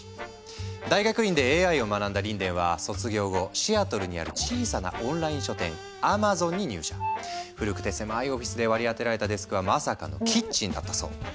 大学院でＡＩを学んだリンデンは卒業後古くて狭いオフィスで割り当てられたデスクはまさかのキッチンだったそう。